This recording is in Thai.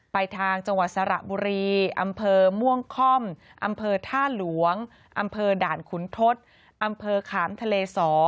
ทางจังหวัดสระบุรีอำเภอม่วงค่อมอำเภอท่าหลวงอำเภอด่านขุนทศอำเภอขามทะเลสอ